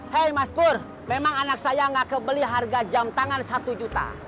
hei maskur memang anak saya nggak kebeli harga jam tangan satu juta